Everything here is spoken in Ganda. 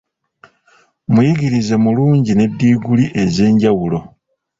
Muyigirize mulungi ne diguli ez'enjawulo..